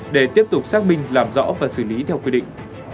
để tiếp tục xác minh làm rõ và xử lý theo quy định